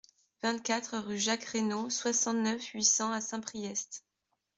vingt-quatre rue Jacques Reynaud, soixante-neuf, huit cents à Saint-Priest